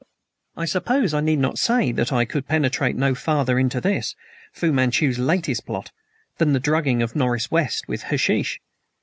I suppose I need not say that I could penetrate no farther into this, Fu Manchu's latest plot, than the drugging of Norris West with hashish?